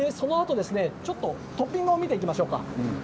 トッピングを見ていきましょうか。